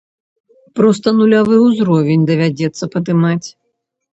Проста нулявы ўзровень давядзецца падымаць.